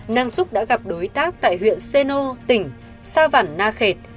nang xúc đã gặp đối tác tại huyện xê nô tỉnh sao vẳn na khệt